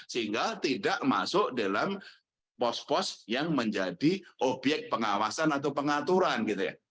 sehingga tidak masuk dalam pos pos yang menjadi obyek pengawasan atau pengaturan gitu ya